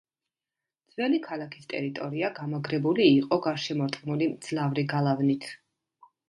ძველი ქალაქის ტერიტორია გამაგრებული იყო გარშემორტყმული მძლავრი გალავნით.